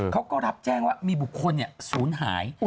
เขาก็รับแจ้งว่ามีบุคคลศูนย์หาย